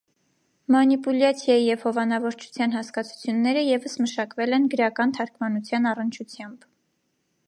«Մանիպուլյացիայի» եւ «հովանավորչության» հասկացությունները ևս մշակվել են գրական թարգմանության առնչությամբ։